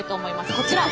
こちら。